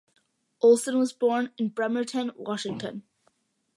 Olson was born in Bremerton, Washington.